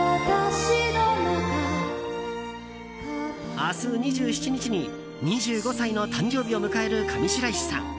明日２７日に２５歳の誕生日を迎える上白石さん。